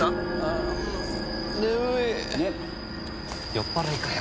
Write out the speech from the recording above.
酔っぱらいかよ。